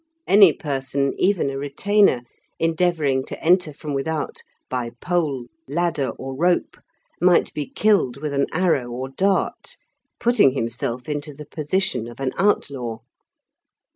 Any person, even a retainer, endeavouring to enter from without by pole, ladder, or rope, might be killed with an arrow or dart, putting himself into the position of an outlaw.